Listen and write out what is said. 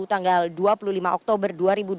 tanggal dua puluh lima oktober dua ribu dua puluh